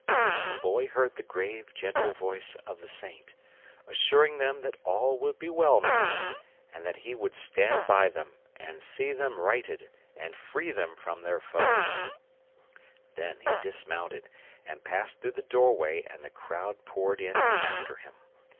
The Boy heard the grave gentle voice of the Saint, assuring them that all would be well now, and that he would stand by them and see them righted and free them from their foe; then he dismounted and passed through the doorway and the crowd poured in after him.